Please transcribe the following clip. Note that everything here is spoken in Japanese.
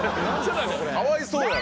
かわいそうだろ。